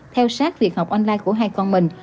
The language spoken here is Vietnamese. theo sát việc học online của hai con mình